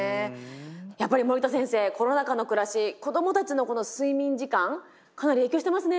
やっぱり森田先生コロナ禍の暮らし子どもたちのこの睡眠時間かなり影響してますね。